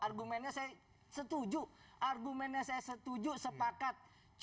argumennya saya setuju argumennya saya setuju sepakat